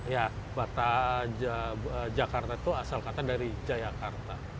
ya kota jakarta itu asal kata dari jayakarta